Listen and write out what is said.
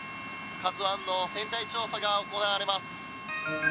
「ＫＡＺＵ１」の船体調査が行われます。